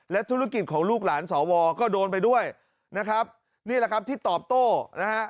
ธุรกิจของลูกหลานสวก็โดนไปด้วยนะครับนี่แหละครับที่ตอบโต้นะฮะ